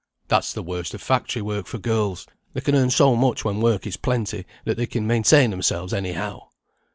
"That's the worst of factory work, for girls. They can earn so much when work is plenty, that they can maintain themselves any how.